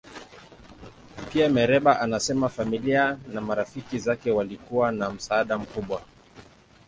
Pia, Mereba anasema familia na marafiki zake walikuwa na msaada mkubwa.